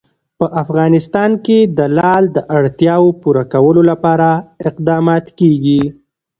په افغانستان کې د لعل د اړتیاوو پوره کولو لپاره اقدامات کېږي.